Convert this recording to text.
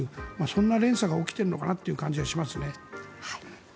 そんな連鎖が起きているのかなという感じがしますね。